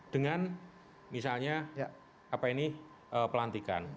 dengan misalnya apa ini pelantikan